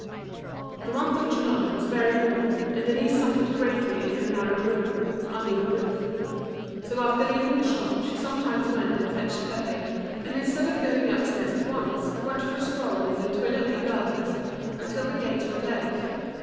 The month of July was very warm, and Denise suffered greatly in her narrow room, under the roof. So after leaving the shop, she sometimes went and fetched Pépé, and instead of going up stairs at once, went for a stroll in the Tuileries Gardens until the gates were closed.